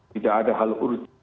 tidak ada hal urut